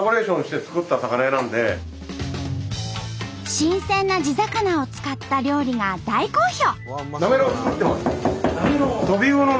新鮮な地魚を使った料理が大好評！